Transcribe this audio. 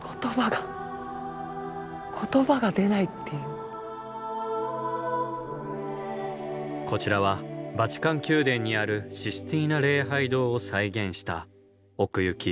言葉がこちらはバチカン宮殿にあるシスティーナ礼拝堂を再現した奥行き